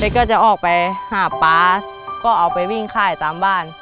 ได้ก็จะออกไปหาบพ่าก็เอาไปพิงค่ายตามบ้าน